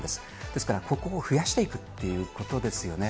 ですから、ここを増やしていくっていうことですよね。